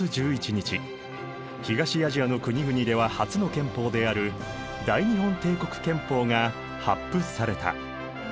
日東アジアの国々では初の憲法である大日本帝国憲法が発布された。